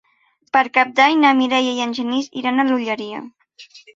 Per Cap d'Any na Mireia i en Genís iran a l'Olleria.